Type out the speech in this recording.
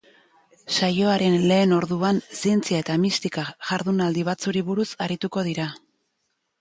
Saioaren lehen orduan zientzia eta mistika jardunaldi batzuri buruz arituko dira.